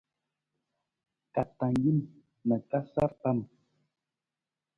Ka tang jin na ka sar pam.